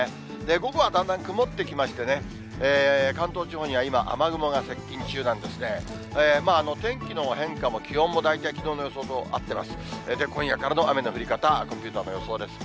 午後はだんだん曇ってきましてね、関東地方には今、雨雲が接近中なんですね。